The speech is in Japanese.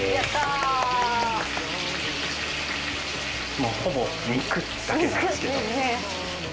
もうほぼ肉だけなんですけど。